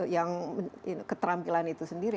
yang keterampilan itu sendiri